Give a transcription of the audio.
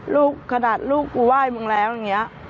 ลูกขนาดลูกกูไหว้มึงแล้วอย่างนี้